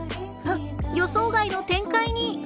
予想外の展開に！